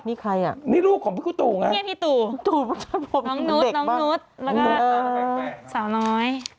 นี่ใครอ่ะนี่ลูกของพี่ตู่ไงพี่ตู่น้องนุ๊ดแล้วก็สาวน้อย